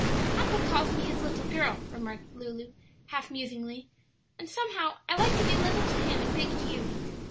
"Papa calls me his little girl," remarked Lulu, half musingly; "and somehow I like to be little to him and big to you.